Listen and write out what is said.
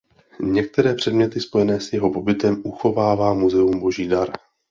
Některé předměty spojené s jeho pobytem uchovává Muzeum Boží Dar.